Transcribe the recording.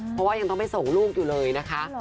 เพราะว่ายังต้องไปส่งลูกอยู่เลยนะคะ